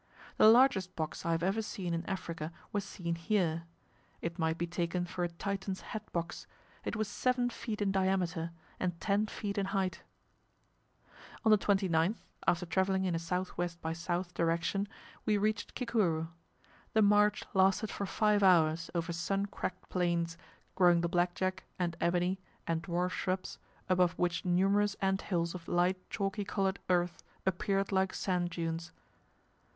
The largest box I have ever seen in Africa was seen here. It might be taken for a Titan's hat box; it was seven feet in diameter, and ten feet in height. On the 29th, after travelling in a S.W. by S. direction, we reached Kikuru. The march lasted for five hours over sun cracked plains, growing the black jack, and ebony, and dwarf shrubs, above which numerous ant hills of light chalky coloured earth appeared like sand dunes.